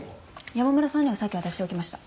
山村さんにはさっき渡しておきました。